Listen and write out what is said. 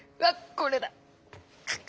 これだ。